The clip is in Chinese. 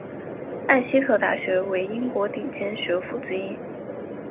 艾希特大学为英国顶尖学府之一。